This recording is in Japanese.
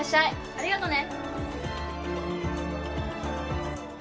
ありがとね。